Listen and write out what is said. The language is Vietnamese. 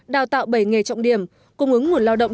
đào tạo bảy nghề trọng điểm cung ứng nguồn lao động